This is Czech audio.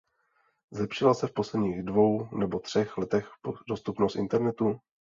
Zlepšila se v posledních dvou nebo třech letech dostupnost internetu?